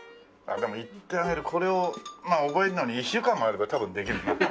でもいって上げるこれを覚えるのに１週間もあれば多分できるな。